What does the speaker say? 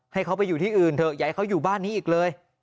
ให้เขาไปอยู่ที่อื่นเถอะอย่าให้เขาอยู่บ้านนี้อีกเลย